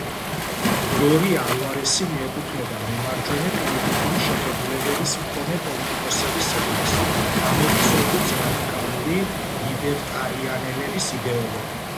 გლორია ალვარესი მიეკუთვნება მემარჯვენე პოლიტიკური შეხედულებების მქონე პოლიტიკოსების რიგს, გამოდის როგორც რადიკალური ლიბერტარიანელობის იდეოლოგი.